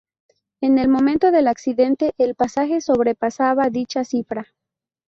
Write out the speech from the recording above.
En el momento del accidente el pasaje sobrepasaba dicha cifra.